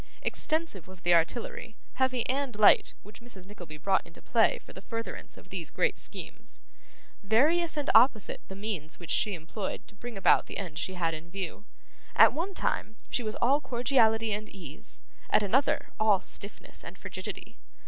Extensive was the artillery, heavy and light, which Mrs. Nickleby brought into play for the furtherance of these great schemes; various and opposite the means which she employed to bring about the end she had in view. At one time, she was all cordiality and ease; at another, all stiffness and frigidity.